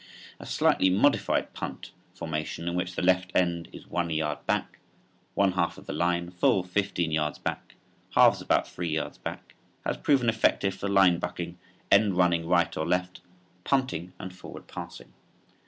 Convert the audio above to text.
A slightly modified punt (Fig. 1) formation, in which the left end is one yard back, one half on the line, full fifteen yards back, halves about three yards back, has proven effective for line bucking, end running right or left, punting and forward passing.